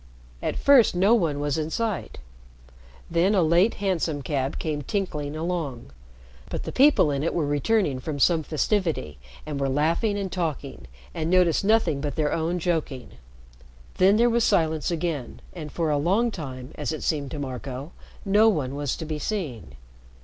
At first no one was in sight. Then a late hansom cab came tinkling along. But the people in it were returning from some festivity, and were laughing and talking, and noticed nothing but their own joking. Then there was silence again, and for a long time, as it seemed to Marco, no one was to be seen.